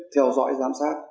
theo dõi giám sát